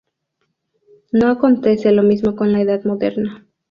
No acontece lo mismo con la edad moderna.